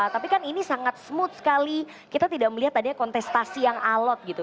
tapi kan ini sangat smooth sekali kita tidak melihat tadinya kontestasi yang alot gitu